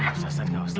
ustadz enggak usah